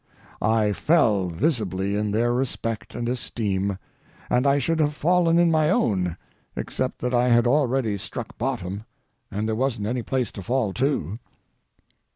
I fell visibly in their respect and esteem, and I should have fallen in my own, except that I had already struck bottom, and there wasn't any place to fall to.